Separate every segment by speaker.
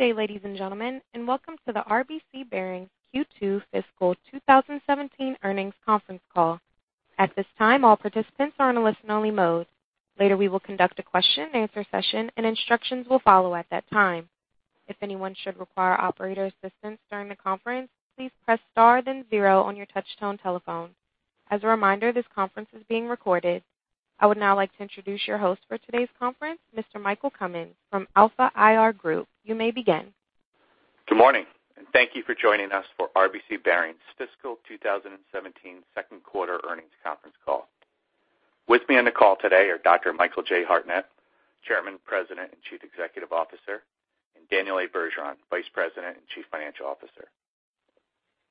Speaker 1: Good day, ladies and gentlemen, and welcome to the RBC Bearings Q2 fiscal 2017 earnings conference call. At this time, all participants are in a listen-only mode. Later, we will conduct a question-and-answer session, and instructions will follow at that time. If anyone should require operator assistance during the conference, please press star then zero on your touchtone telephone. As a reminder, this conference is being recorded. I would now like to introduce your host for today's conference, Mr. Michael Cummins from Alpha IR Group. You may begin.
Speaker 2: Good morning, and thank you for joining us for RBC Bearings' fiscal 2017 second quarter earnings conference call. With me on the call today are Dr. Michael J. Hartnett, Chairman, President, and Chief Executive Officer, and Daniel A. Bergeron, Vice President and Chief Financial Officer.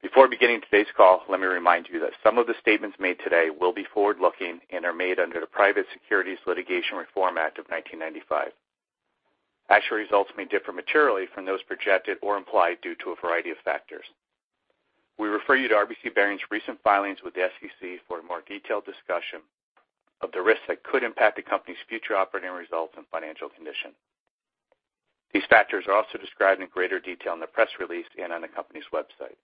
Speaker 2: Before beginning today's call, let me remind you that some of the statements made today will be forward-looking and are made under the Private Securities Litigation Reform Act of 1995. Actual results may differ materially from those projected or implied due to a variety of factors. We refer you to RBC Bearings' recent filings with the SEC for a more detailed discussion of the risks that could impact the company's future operating results and financial condition. These factors are also described in greater detail in the press release and on the company's website.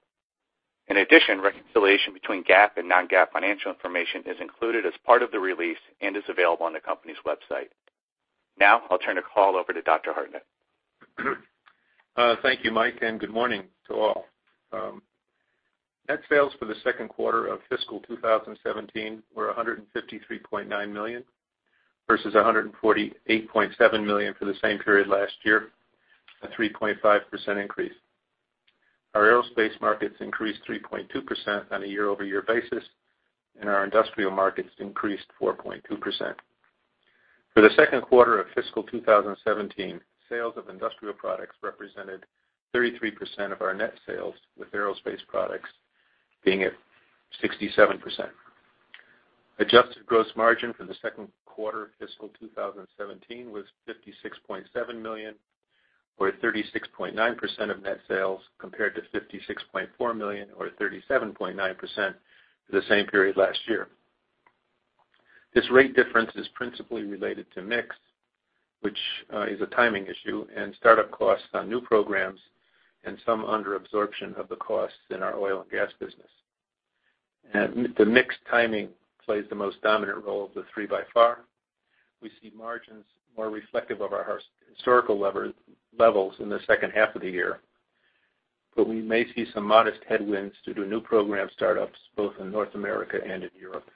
Speaker 2: In addition, reconciliation between GAAP and Non-GAAP financial information is included as part of the release and is available on the company's website. Now, I'll turn the call over to Dr. Hartnett.
Speaker 3: Thank you, Mike, and good morning to all. Net sales for the second quarter of fiscal 2017 were $153.9 million, versus $148.7 million for the same period last year, a 3.5% increase. Our aerospace markets increased 3.2% on a year-over-year basis, and our industrial markets increased 4.2%. For the second quarter of fiscal 2017, sales of industrial products represented 33% of our net sales, with aerospace products being at 67%. Adjusted gross margin for the second quarter of fiscal 2017 was $56.7 million, or 36.9% of net sales, compared to $56.4 million or 37.9% for the same period last year. This rate difference is principally related to mix, which is a timing issue, and startup costs on new programs and some underabsorption of the costs in our oil and gas business. The mix timing plays the most dominant role of the three by far. We see margins more reflective of our historical levels in the second half of the year, but we may see some modest headwinds due to new program startups, both in North America and in Europe.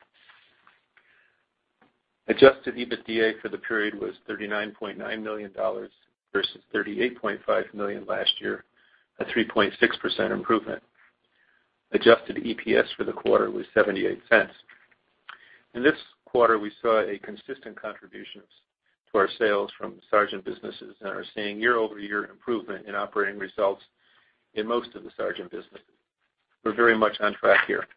Speaker 3: Adjusted EBITDA for the period was $39.9 million versus $38.5 million last year, a 3.6% improvement. Adjusted EPS for the quarter was $0.78. In this quarter, we saw a consistent contributions to our sales from Sargent businesses and are seeing year-over-year improvement in operating results in most of the Sargent businesses. We're very much on track here.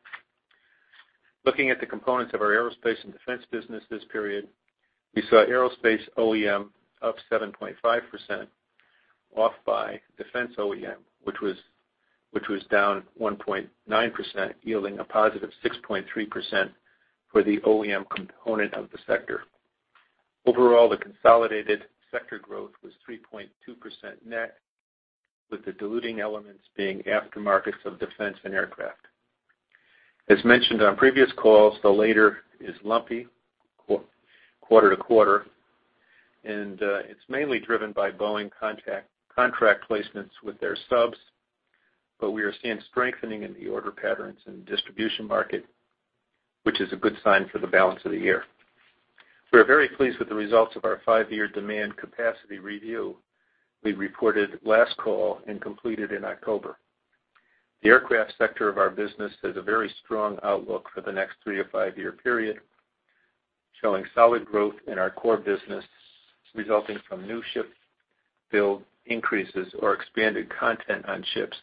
Speaker 3: Looking at the components of our aerospace and defense business this period, we saw aerospace OEM up 7.5%, offset by defense OEM, which was down 1.9%, yielding a positive 6.3% for the OEM component of the sector. Overall, the consolidated sector growth was 3.2% net, with the diluting elements being aftermarkets of defense and aircraft. As mentioned on previous calls, the latter is lumpy quarter to quarter, and it's mainly driven by Boeing contract placements with their subs, but we are seeing strengthening in the order patterns and distribution market, which is a good sign for the balance of the year. We are very pleased with the results of our five-year demand capacity review we reported last call and completed in October. The aircraft sector of our business has a very strong outlook for the next three to five year period, showing solid growth in our core business, resulting from new ship build increases or expanded content on ships,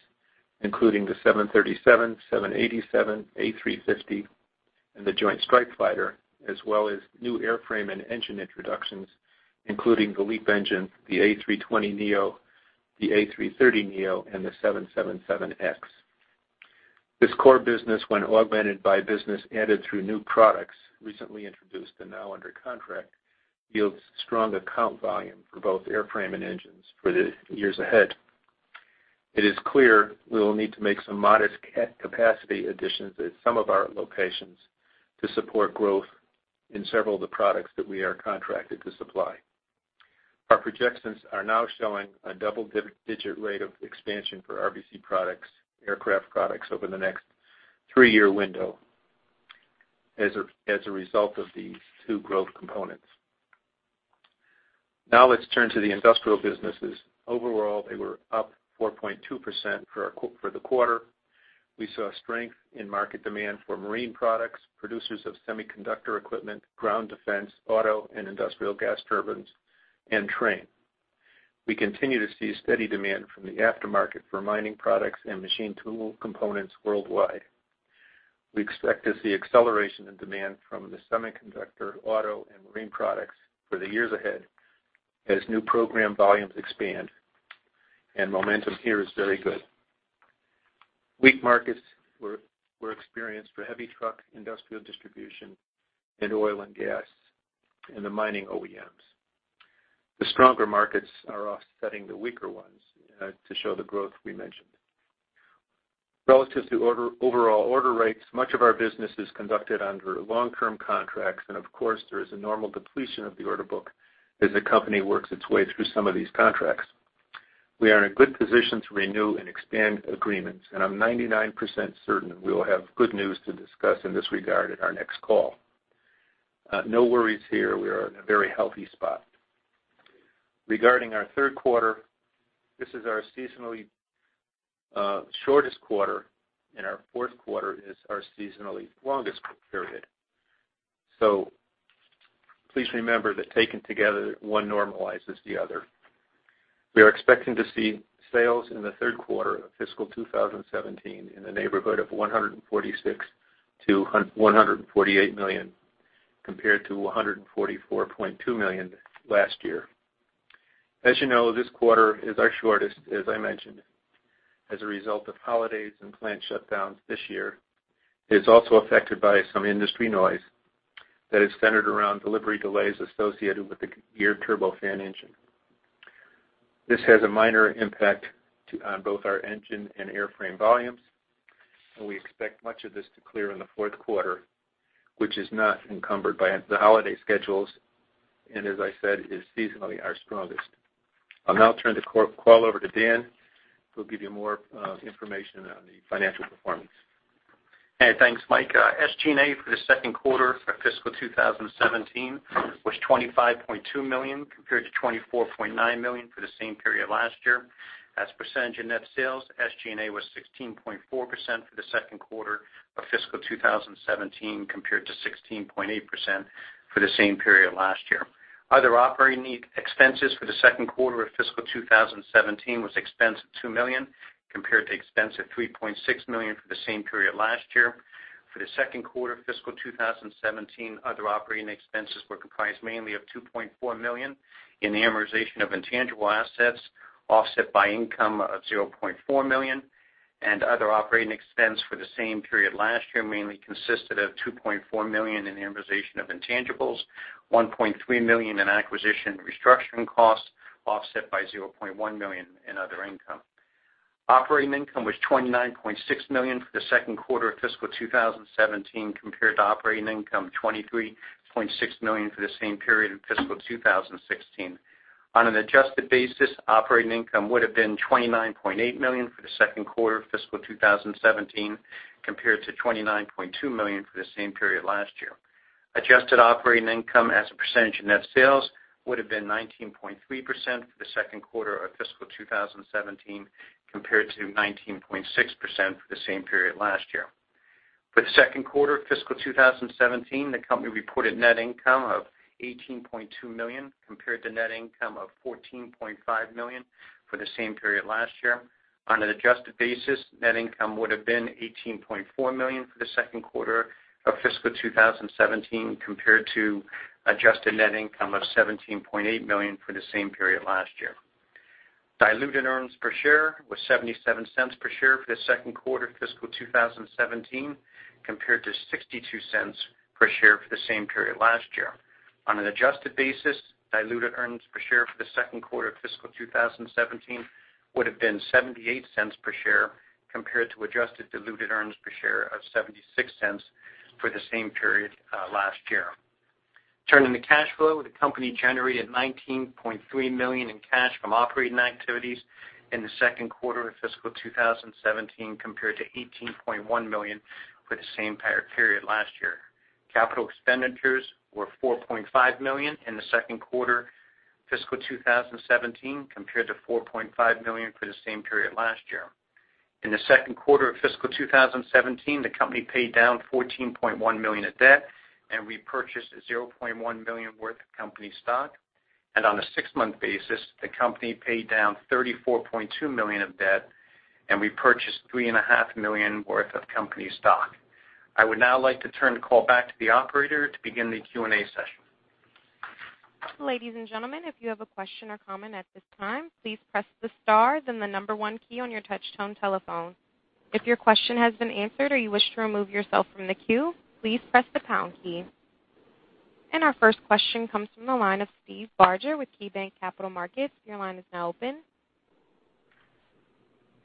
Speaker 3: including the 737, 787, A350, and the Joint Strike Fighter, as well as new airframe and engine introductions, including the LEAP engine, the A320neo, the A330neo, and the 777X. This core business, when augmented by business added through new products, recently introduced and now under contract, yields strong account volume for both airframe and engines for the years ahead. It is clear we will need to make some modest capacity additions at some of our locations to support growth in several of the products that we are contracted to supply. Our projections are now showing a double-digit rate of expansion for RBC products, aircraft products, over the next three-year window as a, as a result of these two growth components. Now, let's turn to the industrial businesses. Overall, they were up 4.2% for the quarter. We saw strength in market demand for marine products, producers of semiconductor equipment, ground defense, auto, and industrial gas turbines, and train. We continue to see steady demand from the aftermarket for mining products and machine tool components worldwide. We expect to see acceleration in demand from the semiconductor, auto, and marine products for the years ahead, as new program volumes expand, and momentum here is very good. Weak markets were experienced for heavy truck, industrial distribution, and oil and gas, and the mining OEMs. The stronger markets are offsetting the weaker ones to show the growth we mentioned. Relative to overall order rates, much of our business is conducted under long-term contracts, and of course, there is a normal depletion of the order book as the company works its way through some of these contracts. We are in a good position to renew and expand agreements, and I'm 99% certain we will have good news to discuss in this regard at our next call. No worries here, we are in a very healthy spot. Regarding our third quarter, this is our seasonally shortest quarter, and our fourth quarter is our seasonally longest period. So please remember that taken together, one normalizes the other. We are expecting to see sales in the third quarter of fiscal 2017 in the neighborhood of $146 million-$148 million, compared to $144.2 million last year. As you know, this quarter is our shortest, as I mentioned, as a result of holidays and plant shutdowns this year. It's also affected by some industry noise that is centered around delivery delays associated with the Geared Turbofan engine. This has a minor impact to, on both our engine and airframe volumes, and we expect much of this to clear in the fourth quarter, which is not encumbered by the holiday schedules, and as I said, is seasonally our strongest. I'll now turn the call over to Dan, who'll give you more information on the financial performance.
Speaker 4: Hey, thanks, Mike. SG&A for the second quarter for fiscal 2017 was $25.2 million, compared to $24.9 million for the same period last year. As a percentage in net sales, SG&A was 16.4% for the second quarter of fiscal 2017, compared to 16.8% for the same period last year. Other operating expenses for the second quarter of fiscal 2017 was expense of $2 million, compared to expense of $3.6 million for the same period last year. For the second quarter of fiscal 2017, other operating expenses were comprised mainly of $2.4 million in the amortization of intangible assets, offset by income of $0.4 million, and other operating expense for the same period last year, mainly consisted of $2.4 million in the amortization of intangibles, $1.3 million in acquisition restructuring costs, offset by $0.1 million in other income. Operating income was $29.6 million for the second quarter of fiscal 2017, compared to operating income $23.6 million for the same period in fiscal 2016. On an adjusted basis, operating income would have been $29.8 million for the second quarter of fiscal 2017, compared to $29.2 million for the same period last year. Adjusted operating income as a percentage of net sales would have been 19.3% for the second quarter of fiscal 2017, compared to 19.6% for the same period last year. For the second quarter of fiscal 2017, the company reported net income of $18.2 million, compared to net income of $14.5 million for the same period last year. On an adjusted basis, net income would have been $18.4 million for the second quarter of fiscal 2017, compared to adjusted net income of $17.8 million for the same period last year. Diluted earnings per share was $0.77 per share for the second quarter of fiscal 2017, compared to $0.62 per share for the same period last year. On an adjusted basis, diluted earnings per share for the second quarter of fiscal 2017 would have been $0.78 per share, compared to adjusted diluted earnings per share of $0.76 for the same period last year. Turning to cash flow, the company generated $19.3 million in cash from operating activities in the second quarter of fiscal 2017, compared to $18.1 million for the same prior period last year. Capital expenditures were $4.5 million in the second quarter, fiscal 2017, compared to $4.5 million for the same period last year. In the second quarter of fiscal 2017, the company paid down $14.1 million of debt, and repurchased $0.1 million worth of company stock. On a six-month basis, the company paid down $34.2 million of debt, and repurchased $3.5 million worth of company stock. I would now like to turn the call back to the operator to begin the Q&A session.
Speaker 1: Ladies and gentlemen, if you have a question or comment at this time, please press the star, then the number one key on your touchtone telephone. If your question has been answered or you wish to remove yourself from the queue, please press the pound key. Our first question comes from the line of Steve Barger with KeyBanc Capital Markets. Your line is now open.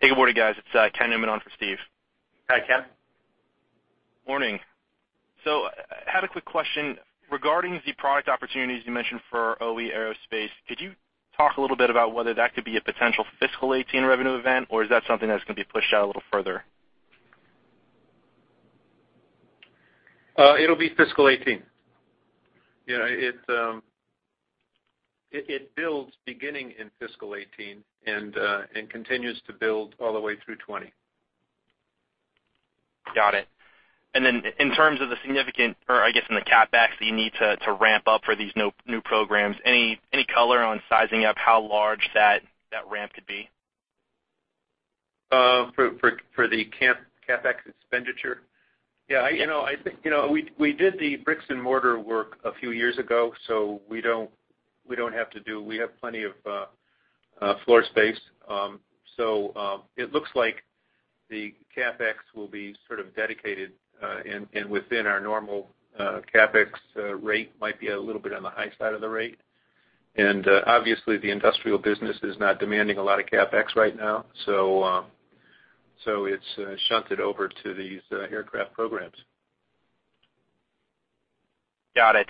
Speaker 5: Hey, good morning, guys. It's Ken in for Steve.
Speaker 3: Hi, Ken.
Speaker 5: Morning. So I had a quick question regarding the product opportunities you mentioned for OEM Aerospace. Could you talk a little bit about whether that could be a potential fiscal 18 revenue event, or is that something that's gonna be pushed out a little further?
Speaker 3: It'll be fiscal 2018. Yeah, it builds beginning in fiscal 2018 and continues to build all the way through 2020.
Speaker 5: Got it. And then in terms of the significant, or I guess in the CapEx, you need to ramp up for these new programs, any color on sizing up how large that ramp could be?
Speaker 3: For the CapEx expenditure? Yeah, you know, I think, you know, we did the bricks and mortar work a few years ago, so we don't have to do. We have plenty of floor space. So, it looks like the CapEx will be sort of dedicated and within our normal CapEx rate, might be a little bit on the high side of the rate. And, obviously, the industrial business is not demanding a lot of CapEx right now, so it's shunted over to these aircraft programs.
Speaker 5: Got it.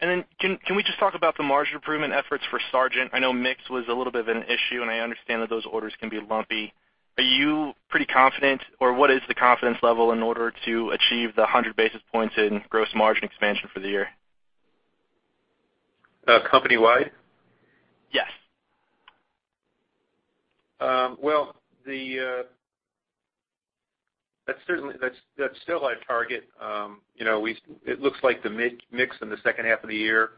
Speaker 5: And then can we just talk about the margin improvement efforts for Sargent? I know mix was a little bit of an issue, and I understand that those orders can be lumpy. Are you pretty confident, or what is the confidence level in order to achieve the 100 basis points in gross margin expansion for the year?
Speaker 3: Uh, company-wide?
Speaker 5: Yes.
Speaker 3: Well, that's certainly still our target. You know, we, it looks like the mix in the second half of the year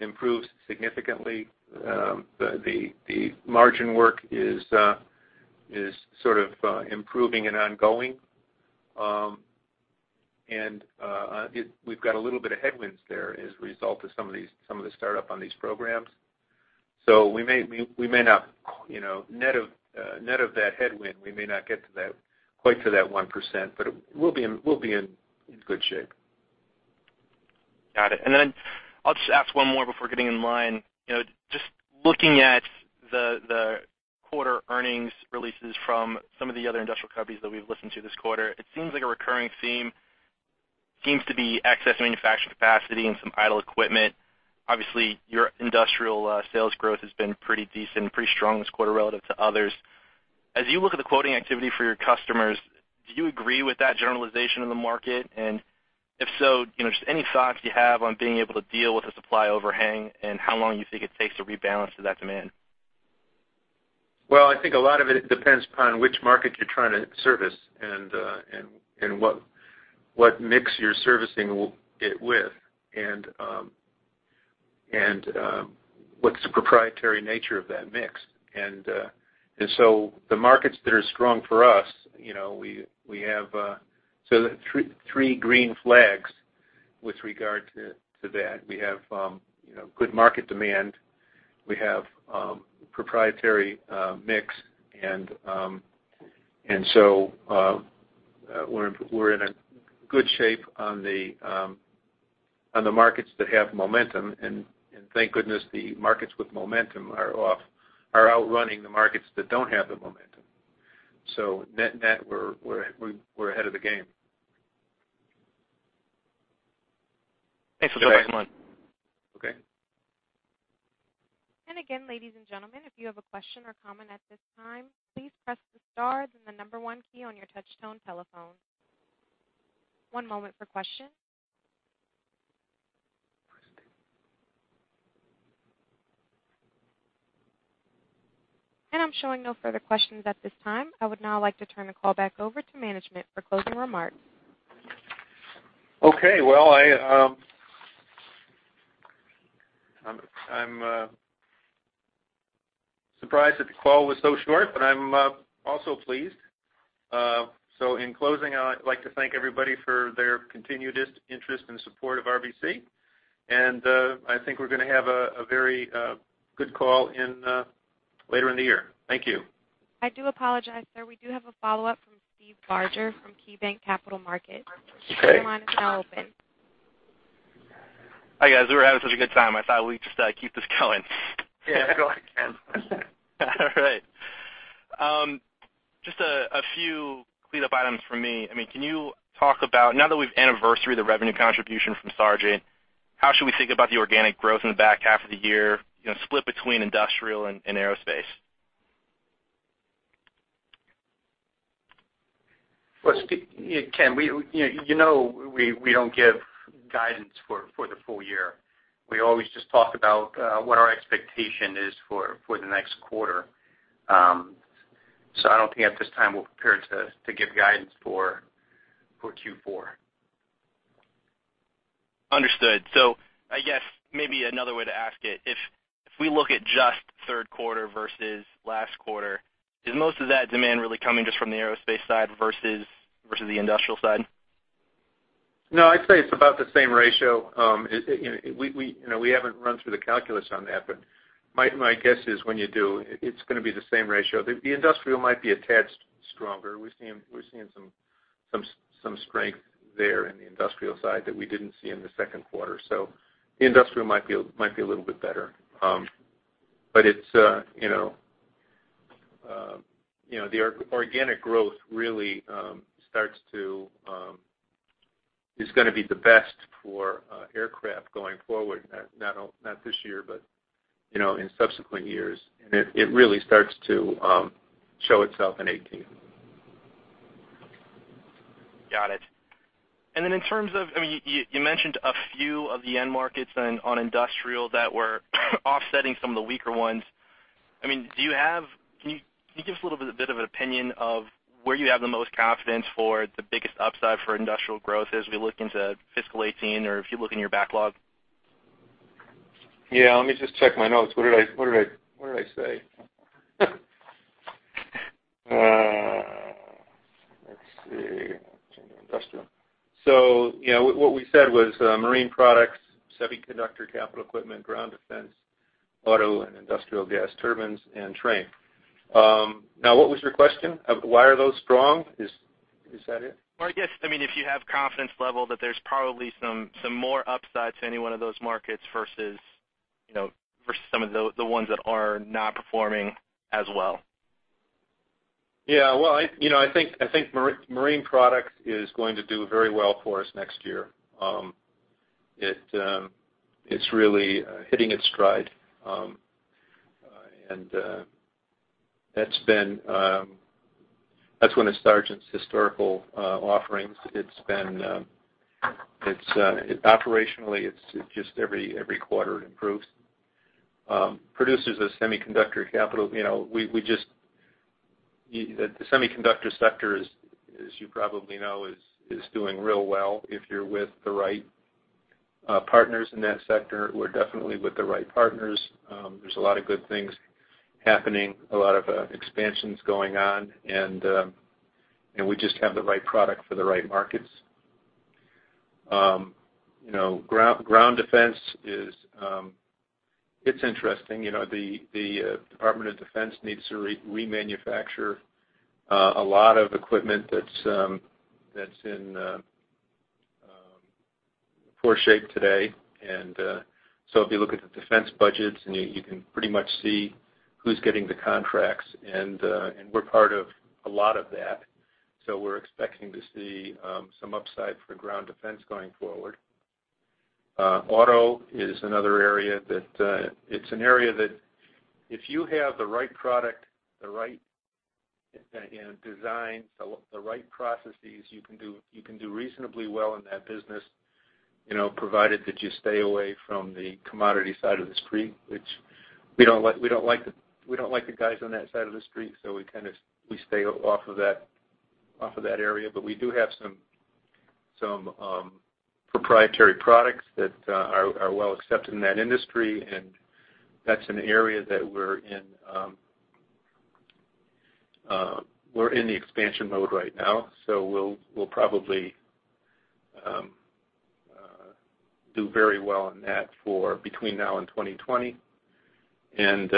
Speaker 3: improves significantly. The margin work is sort of improving and ongoing. And we've got a little bit of headwinds there as a result of some of these, some of the startup on these programs. So we may not, you know, net of that headwind, we may not get to that, quite to that 1%, but we'll be in good shape.
Speaker 5: Got it. And then I'll just ask one more before getting in line. You know, just looking at the quarter earnings releases from some of the other industrial companies that we've listened to this quarter, it seems like a recurring theme seems to be excess manufacturing capacity and some idle equipment. Obviously, your industrial sales growth has been pretty decent, pretty strong this quarter relative to others. As you look at the quoting activity for your customers, do you agree with that generalization in the market? And if so, you know, just any thoughts you have on being able to deal with the supply overhang and how long you think it takes to rebalance to that demand?
Speaker 3: Well, I think a lot of it depends upon which market you're trying to service and what mix you're servicing with, and what's the proprietary nature of that mix. And so the markets that are strong for us, you know, we have so the three green flags with regard to that. We have, you know, good market demand. We have proprietary mix, and so we're in a good shape on the markets that have momentum. And thank goodness, the markets with momentum are outrunning the markets that don't have the momentum. So net, we're ahead of the game.
Speaker 5: Thanks for the comment.
Speaker 3: Okay.
Speaker 1: And again, ladies and gentlemen, if you have a question or comment at this time, please press the star, then the number one key on your touch-tone telephone. One moment for questions. And I'm showing no further questions at this time. I would now like to turn the call back over to management for closing remarks.
Speaker 3: Okay, well, I'm surprised that the call was so short, but I'm also pleased. So in closing, I'd like to thank everybody for their continued interest and support of RBC. And I think we're gonna have a very good call later in the year. Thank you.
Speaker 1: I do apologize, sir. We do have a follow-up from Steve Barger from KeyBanc Capital Markets.
Speaker 3: Okay.
Speaker 1: Your line is now open.
Speaker 5: Hi, guys. We're having such a good time. I thought we'd just keep this going.
Speaker 3: Yeah, go ahead, Ken.
Speaker 5: All right. Just a few cleanup items for me. I mean, can you talk about, now that we've anniversaried the revenue contribution from Sargent, how should we think about the organic growth in the back half of the year, you know, split between industrial and aerospace?
Speaker 3: Well, yeah, Ken, you know, we don't give guidance for the full year. We always just talk about what our expectation is for the next quarter. So I don't think at this time we're prepared to give guidance for Q4.
Speaker 5: Understood. So I guess maybe another way to ask it, if we look at just third quarter versus last quarter, is most of that demand really coming just from the aerospace side versus the industrial side?
Speaker 3: No, I'd say it's about the same ratio. You know, we haven't run through the calculus on that, but my guess is when you do, it's gonna be the same ratio. The industrial might be a tad stronger. We're seeing some strength there in the industrial side that we didn't see in the second quarter. So the industrial might be a little bit better. But it's, you know, the organic growth really is gonna be the best for aircraft going forward, not this year, but, you know, in subsequent years. And it really starts to show itself in 2018.
Speaker 5: Got it. And then in terms of, I mean, you mentioned a few of the end markets on industrial that were offsetting some of the weaker ones. I mean, do you have, can you give us a little bit, a bit of an opinion of where you have the most confidence for the biggest upside for industrial growth as we look into fiscal 2018, or if you look in your backlog?
Speaker 3: Yeah, let me just check my notes. What did I say? Let's see. Industrial. So, you know, what we said was marine products, semiconductor, capital equipment, ground defense, auto, and industrial gas turbines, and train. Now, what was your question? Of why are those strong? Is that it?
Speaker 5: Well, I guess, I mean, if you have confidence level that there's probably some more upside to any one of those markets versus, you know, versus some of the ones that are not performing as well.
Speaker 3: Yeah. Well, you know, I think marine products is going to do very well for us next year. It's really hitting its stride, and that's one of Sargent's historical offerings. It's operationally just every quarter it improves. Producers of semiconductor capital, you know, we just— The semiconductor sector is, as you probably know, doing real well if you're with the right partners in that sector. We're definitely with the right partners. There's a lot of good things happening, a lot of expansions going on, and we just have the right product for the right markets. You know, ground defense is interesting. You know, the Department of Defense needs to remanufacture a lot of equipment that's in poor shape today. And so if you look at the defense budgets and you can pretty much see who's getting the contracts, and we're part of a lot of that. So we're expecting to see some upside for ground defense going forward. Auto is another area that, it's an area that if you have the right product, the right, you know, design, the right processes, you can do, you can do reasonably well in that business, you know, provided that you stay away from the commodity side of the street, which we don't like, we don't like the, we don't like the guys on that side of the street, so we kind of, we stay off of that, off of that area. But we do have some proprietary products that are well accepted in that industry, and that's an area that we're in, we're in the expansion mode right now, so we'll probably do very well in that for between now and 2020. And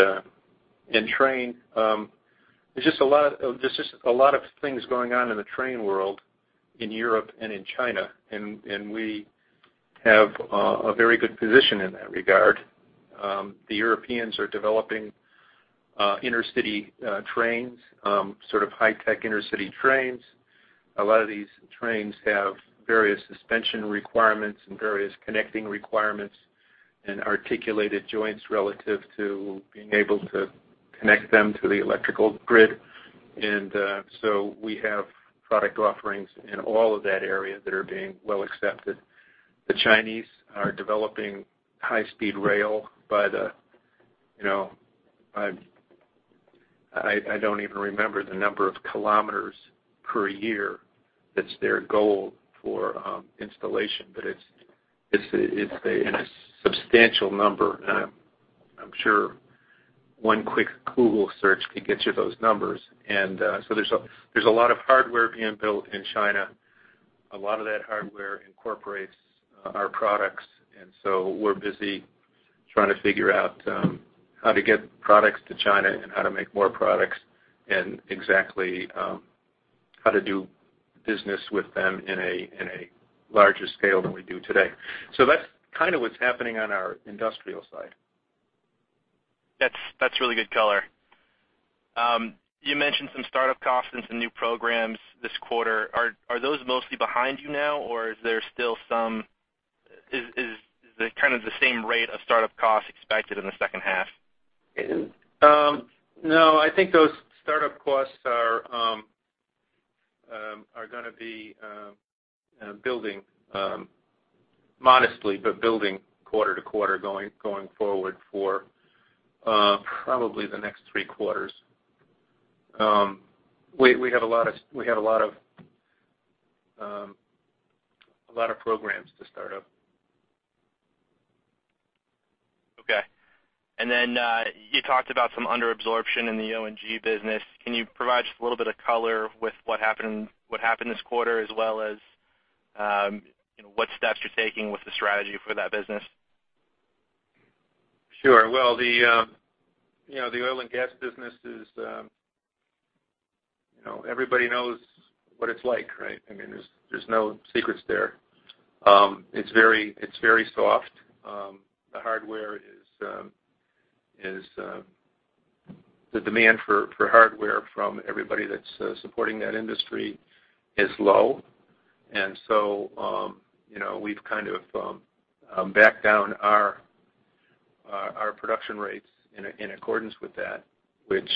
Speaker 3: train, there's just a lot of, there's just a lot of things going on in the train world, in Europe and in China, and we have a very good position in that regard. The Europeans are developing intercity trains, sort of high-tech intercity trains. A lot of these trains have various suspension requirements and various connecting requirements and articulated joints relative to being able to connect them to the electrical grid. And so we have product offerings in all of that area that are being well accepted. The Chinese are developing high-speed rail. You know, I don't even remember the number of kilometers per year. That's their goal for installation, but it's a substantial number. And I'm sure one quick Google search could get you those numbers. And so there's a lot of hardware being built in China. A lot of that hardware incorporates our products, and so we're busy trying to figure out how to get products to China and how to make more products and exactly how to do business with them in a larger scale than we do today. So that's kind of what's happening on our industrial side.
Speaker 5: That's, that's really good color. You mentioned some startup costs and some new programs this quarter. Are, are those mostly behind you now, or is there still some... Is, is the, kind of the same rate of startup costs expected in the second half?
Speaker 3: No, I think those startup costs are gonna be building modestly, but building quarter to quarter, going forward for probably the next three quarters. We have a lot of programs to start up.
Speaker 5: Okay. And then, you talked about some underabsorption in the O&G business. Can you provide just a little bit of color with what happened, what happened this quarter, as well as, you know, what steps you're taking with the strategy for that business?
Speaker 3: Sure. Well, the, you know, the oil and gas business is, you know, everybody knows what it's like, right? I mean, there's no secrets there. It's very soft. The hardware is... The demand for hardware from everybody that's supporting that industry is low. And so, you know, we've kind of backed down our production rates in accordance with that, which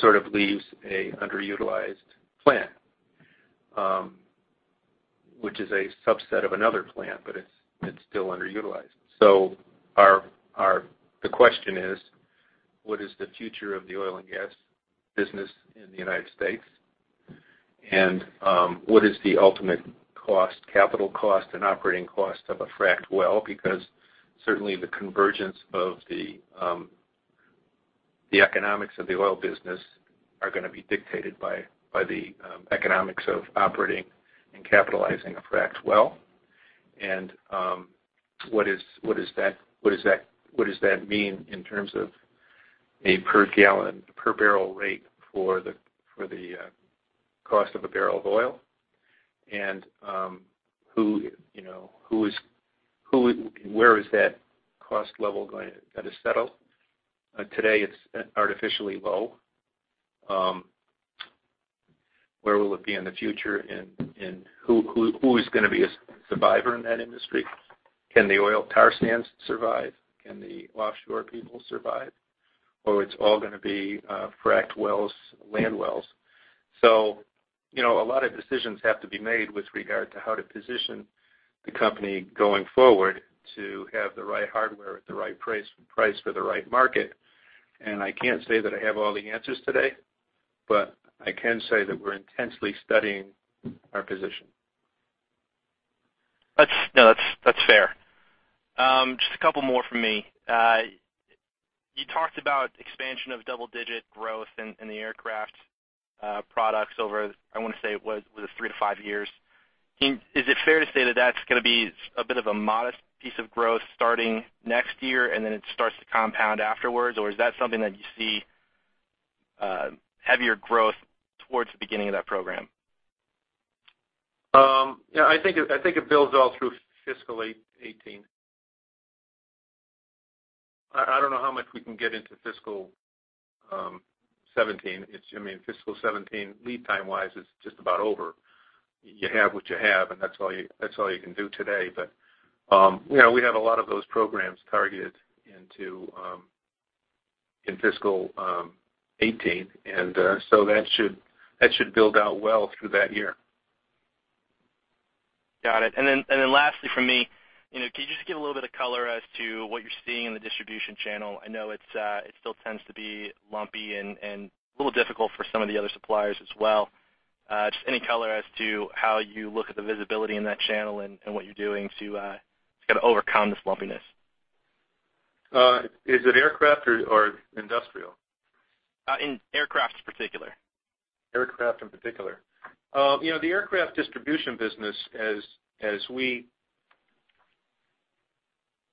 Speaker 3: sort of leaves an underutilized plant, which is a subset of another plant, but it's still underutilized. The question is, what is the future of the oil and gas business in the United States? And, what is the ultimate cost, capital cost, and operating cost of a fracked well? Because certainly the convergence of the economics of the oil business are gonna be dictated by the economics of operating and capitalizing a fracked well. And, what is that, what does that mean in terms of a per gallon, per barrel rate for the cost of a barrel of oil? And, who, you know, who is, where is that cost level going to settle? Today, it's artificially low. Where will it be in the future, and who is gonna be a survivor in that industry? Can the oil tar sands survive? Can the offshore people survive? Or it's all gonna be fracked wells, land wells. So, you know, a lot of decisions have to be made with regard to how to position the company going forward to have the right hardware at the right price, price for the right market. And I can't say that I have all the answers today, but I can say that we're intensely studying our position.
Speaker 5: That's fair. Just a couple more from me. You talked about expansion of double-digit growth in the aircraft products over, I want to say, what, was it three to five years? Is it fair to say that that's gonna be a bit of a modest piece of growth starting next year, and then it starts to compound afterwards? Or is that something that you see, heavier growth towards the beginning of that program?
Speaker 3: Yeah, I think it builds all through fiscal 2018. I don't know how much we can get into fiscal 2017. It's, I mean, fiscal 2017, lead time-wise, is just about over. You have what you have, and that's all you can do today. But you know, we have a lot of those programs targeted into, in fiscal 2018, and so that should build out well through that year.
Speaker 5: Got it. And then, and then lastly from me, you know, could you just give a little bit of color as to what you're seeing in the distribution channel? I know it's, it still tends to be lumpy and, and a little difficult for some of the other suppliers as well. Just any color as to how you look at the visibility in that channel and, and what you're doing to, to kind of overcome this lumpiness.
Speaker 3: Is it aircraft or industrial?
Speaker 5: In aircraft particular.
Speaker 3: Aircraft in particular. You know, the aircraft distribution business as we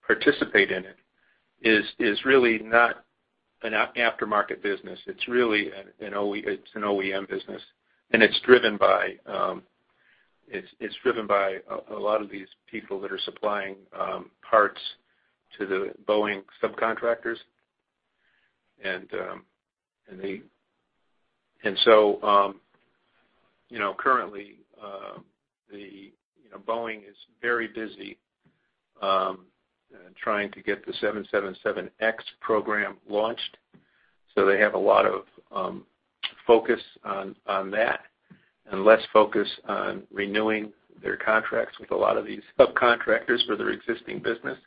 Speaker 3: participate in it is really not an aftermarket business. It's really an OEM business, and it's driven by a lot of these people that are supplying parts to the Boeing subcontractors. And so, you know, currently, you know, Boeing is very busy trying to get the 777X program launched. So they have a lot of focus on that, and less focus on renewing their contracts with a lot of these subcontractors for their existing business.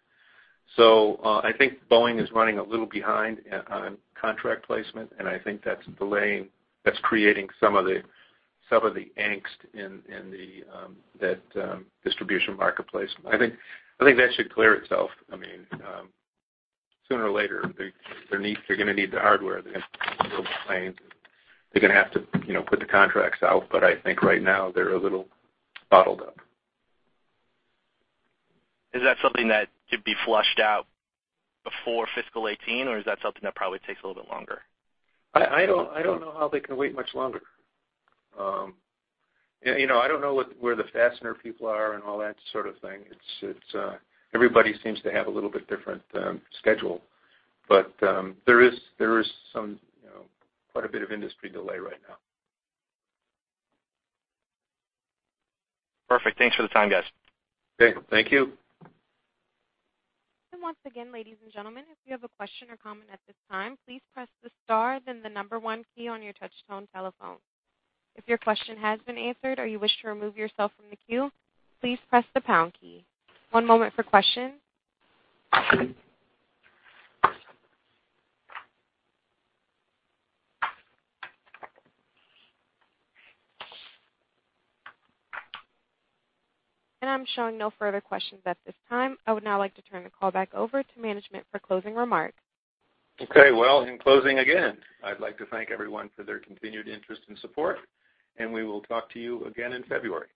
Speaker 3: So, I think Boeing is running a little behind on contract placement, and I think that's delaying, that's creating some of the angst in the distribution marketplace. I think that should clear itself. I mean, sooner or later, they're gonna need the hardware. They're gonna build the planes, and they're gonna have to, you know, put the contracts out. But I think right now, they're a little bottled up.
Speaker 5: Is that something that could be flushed out before fiscal 18, or is that something that probably takes a little bit longer?
Speaker 3: I don't know how they can wait much longer. You know, I don't know what, where the fastener people are and all that sort of thing. It's, everybody seems to have a little bit different schedule. But there is some, you know, quite a bit of industry delay right now.
Speaker 5: Perfect. Thanks for the time, guys.
Speaker 3: Okay, thank you.
Speaker 1: Once again, ladies and gentlemen, if you have a question or comment at this time, please press the star, then the number one key on your touch tone telephone. If your question has been answered or you wish to remove yourself from the queue, please press the pound key. One moment for questions. I'm showing no further questions at this time. I would now like to turn the call back over to management for closing remarks.
Speaker 3: Okay, well, in closing again, I'd like to thank everyone for their continued interest and support, and we will talk to you again in February.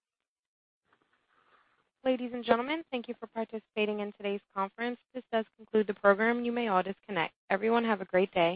Speaker 1: Ladies and gentlemen, thank you for participating in today's conference. This does conclude the program. You may all disconnect. Everyone, have a great day.